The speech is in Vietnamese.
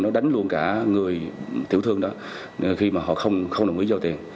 nó đánh luôn cả người tiểu thương đó khi mà họ không đồng ý giao tiền